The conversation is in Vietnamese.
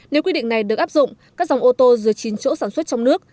nếu quy định này được áp dụng các dòng ô tô dưới chín chỗ sản xuất trong nước